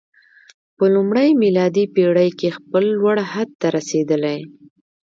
په لومړۍ میلادي پېړۍ کې خپل لوړ حد ته رسېدلی.